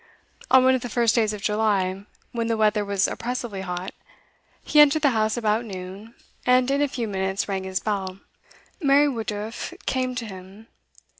On one of the first days of July, when the weather was oppressively hot, he entered the house about noon, and in a few minutes rang his bell. Mary Woodruff came to him.